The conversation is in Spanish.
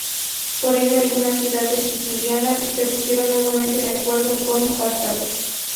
Por ello algunas ciudades sicilianas se pusieron nuevamente de acuerdo con Cartago.